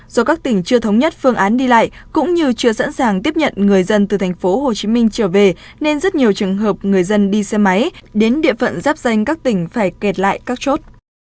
do các tỉnh chưa thống nhất phương án đi lại cũng như chưa sẵn sàng tiếp nhận người dân từ tp hcm trở về nên rất nhiều trường hợp người dân đi xe máy đến địa phận giáp danh các tỉnh phải kẹt lại các chốt